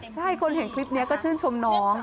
ใช่คนเห็นคลิปนี้ก็ชื่นชมน้อง